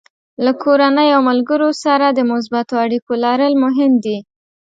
له کورنۍ او ملګرو سره د مثبتو اړیکو لرل مهم دي.